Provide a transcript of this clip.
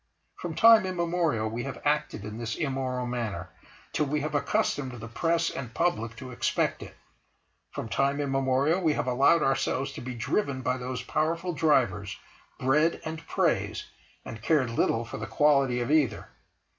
From time immemorial we have acted in this immoral manner, till we have accustomed the Press and Public to expect it. From time immemorial we have allowed ourselves to be driven by those powerful drivers, Bread, and Praise, and cared little for the quality of either.